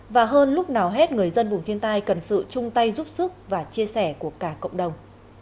và hơn lúc nào hết người dân vùng thiên tai cần sự chung tay giúp sức và chia sẻ của cả cộng đồng